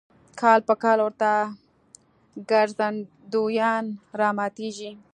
کال په کال ورته ګرځندویان راماتېږي.